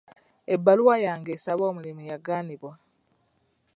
Ebbaluwa yange esaba omulimu yagaanibwa.